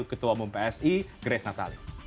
ketua umum psi grace natali